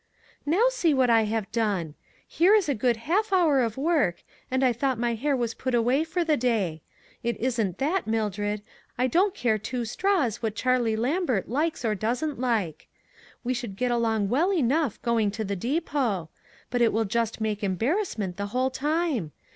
" Now see what I have done ! Here is a good half hour of work, and I thought my hair was put away for the day. It isn't that, Mildred ; I don't care two straws what Charlie Lambert likes or doesn't like. We should get along well enough going to the depot ; but it will just make embarrassment the whole time.